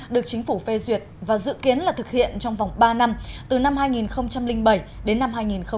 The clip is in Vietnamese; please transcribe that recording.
được chính phủ phê duyệt và dự kiến là thực hiện trong vòng ba năm từ năm hai nghìn bảy đến năm hai nghìn chín